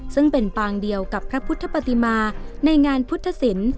ซึ่งเป็นปางเดียวกับพระพุทธปฏิมาในงานพุทธศิลป์